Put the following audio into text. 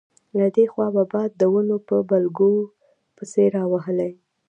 له دې خوا به باد د ونو په بلګو پسې راوهلې.